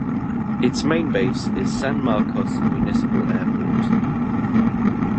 Its main base is San Marcos Municipal Airport.